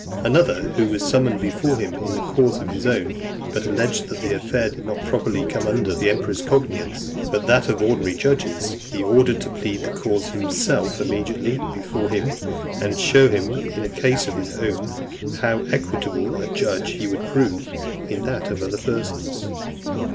Another who was summoned before him in a cause of his own, but alleged that the affair did not properly come under the (306) emperor's cognizance, but that of the ordinary judges, he ordered to plead the cause himself immediately before him, and show in a case of his own, how equitable a judge he would prove in that of other persons.